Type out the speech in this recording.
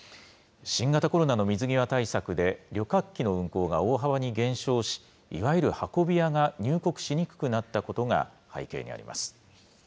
新型コロナの水際対策で、旅客機の運航が大幅に減少し、いわゆる運び屋が入国しにくくなったことが背景にあります。